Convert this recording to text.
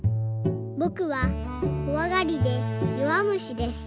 「ぼくはこわがりでよわむしです。